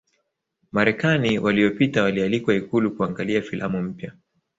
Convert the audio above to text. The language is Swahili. Marekani waliyopita walialikwa ikulu kuangalia filamu mpya